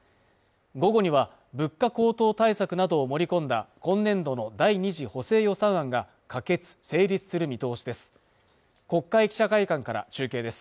午後には物価高騰対策などを盛り込んだ今年度の第２次補正予算案が可決成立する見通しです